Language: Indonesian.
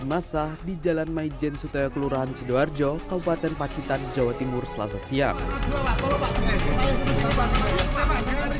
massa di jalan maijen sutaya kelurahan cidoarjo kabupaten pacitan jawa timur selasa siap